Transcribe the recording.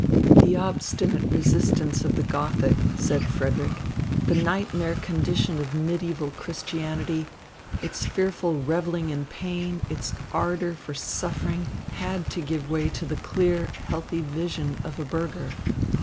"The obstinate resistance of the Gothic," said Frederick, "the nightmare condition of mediæval Christianity, its fearful revelling in pain, its ardour for suffering had to give way to the clear, healthy vision of a burgher.